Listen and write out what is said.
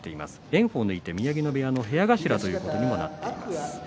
炎鵬を抜いて宮城野部屋の部屋頭ということになっています。